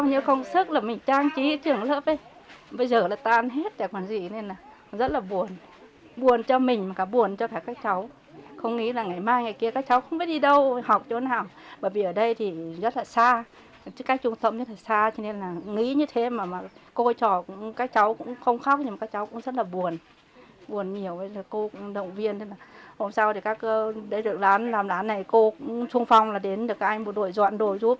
hôm sau thì các đại dự làm đán này cô trung phong là đến được các anh bộ đội dọn đồ giúp